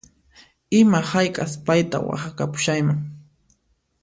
Ima hayk'as payta waqhakapushayman